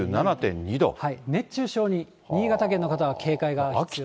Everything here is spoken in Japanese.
熱中症に、新潟県の方は警戒が必要です。